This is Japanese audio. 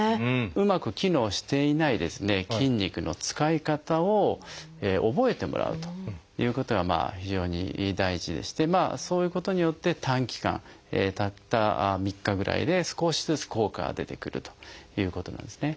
うまく機能していない筋肉の使い方を覚えてもらうということが非常に大事でしてそういうことによって短期間たった３日ぐらいで少しずつ効果が出てくるということなんですね。